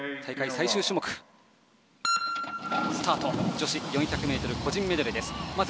女子４００ｍ個人メドレースタートです。